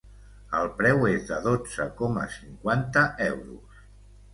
El preu es de dotze coma cinquanta euros.